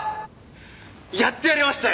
やってやりましたよ！